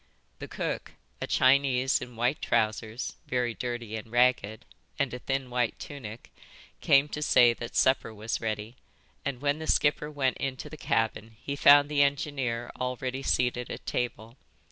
The cook, a Chinese in white trousers, very dirty and ragged, and a thin white tunic, came to say that supper was ready, and when the skipper went into the cabin he found the engineer already seated at table.